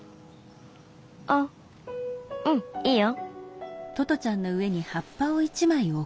あっうんいいよ。